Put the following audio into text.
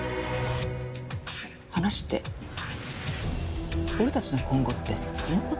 話って俺たちの今後ってその事？